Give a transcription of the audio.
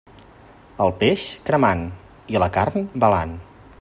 El peix, cremant; i la carn, belant.